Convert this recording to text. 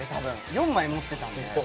４枚持ってたんで。